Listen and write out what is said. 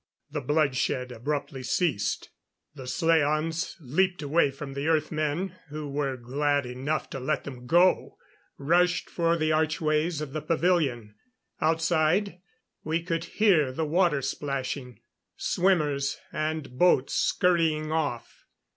The bloodshed abruptly ceased. The slaans leaped away from the Earth men, who were glad enough to let them go rushed for the archways of the pavilion. Outside, we could hear the water splashing. Swimmers and boats scurrying off.